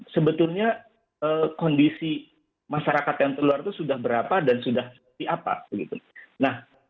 sebetulnya kondisi masyarakat yang keluar itu sudah berapa dan sudah seperti apa